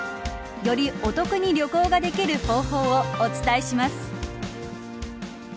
より、お得に旅行ができる方法をお伝えします。